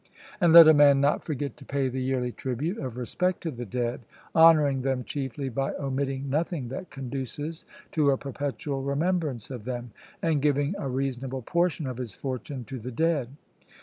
And let a man not forget to pay the yearly tribute of respect to the dead, honouring them chiefly by omitting nothing that conduces to a perpetual remembrance of them, and giving a reasonable portion of his fortune to the dead.